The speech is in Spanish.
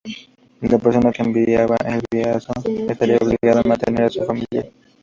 La persona que enviaba el visado estaría obligado a mantener a su familiar.